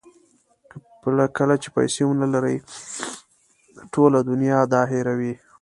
کله چې پیسې ونلرئ ټوله دنیا دا هیروي.